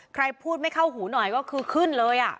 ใครพูดไม่เข้าหูหน่อยก็คือขึ้นเลย